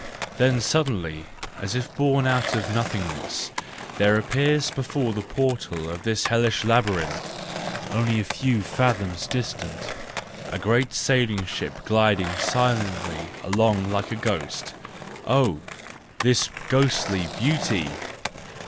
Then, suddenly, as if born out of nothing THE JOYFUL WISDOM, II 99 ness, there appears before the portal of this hellish labyrinth, only a few fathoms distant,—a great sailing ship gliding silently along like a ghost Oh, this ghostly beauty!